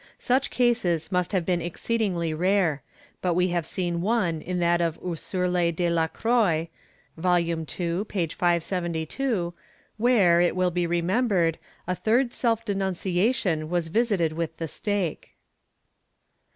* Such cases must have been exceedingly rare, but we have seen one in that of Ursule de la Croix (Vol. II, p. 572) where, it will be remembered, a third self denunciation was visited with the stake.